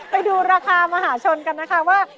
ไปดูราคามหาชนกันนะคะว่า